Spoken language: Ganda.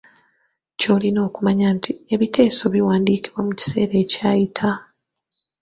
Ky’olina okumanya nti ebiteeso biwandiikibwa mu kiseera ekyayita.